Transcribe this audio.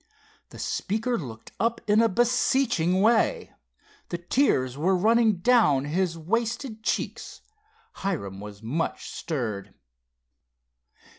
The speaker looked up in a beseeching way. The tears were running down his wasted cheeks. Hiram was much stirred.